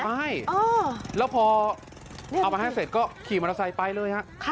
ใช่แล้วพอเอามาให้เสร็จก็ขี่มอเตอร์ไซค์ไปเลยฮะ